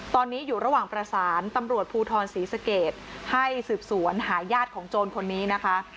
ตอนนี้อยู่ระหว่างประสานตำรวจภูทรศรีสเกตให้สืบสวนหาญาติของโจรคนนี้นะคะ